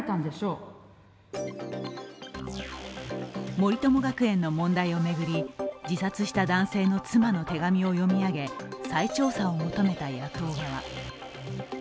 森友学園の問題を巡り自殺した男性の妻の手紙を読み上げ再調査を求めた野党側。